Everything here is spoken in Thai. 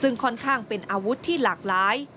ซึ่งค่อนข้างเป็นอาวุธที่หลากหลาย